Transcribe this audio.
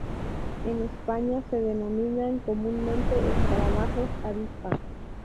En España se denominan comúnmente escarabajos avispa.